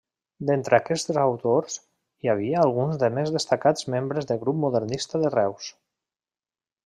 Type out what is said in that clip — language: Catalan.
D'entre aquests autors hi havia alguns dels més destacats membres de Grup modernista de Reus.